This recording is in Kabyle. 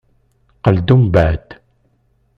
Qqel-d umbeεd.